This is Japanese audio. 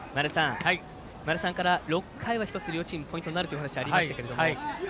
前田さんから６回は１つ、両チームポイントになるというお話ありましたけども。